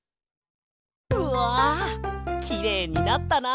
うわきれいになったな。